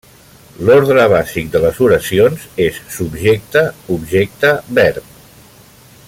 L'ordre bàsic de les oracions és subjecte–objecte–verb.